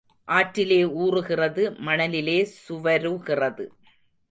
ஆற்றிலே ஊறுகிறது, மணலிலே சுவருகிறது.